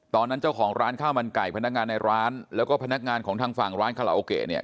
ตอนนั้นเจ้าของร้านข้าวมันไก่พนักงานในร้านแล้วก็พนักงานของทางฝั่งร้านคาราโอเกะเนี่ย